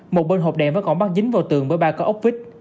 một bên hộp đèn vẫn còn bắt dính vào tường với ba có ốc vít